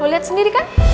lo lihat sendiri kan